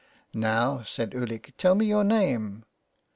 " Now," said Ulick, " tell me your name."